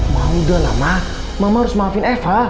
maudahlah mak mama harus maafin eva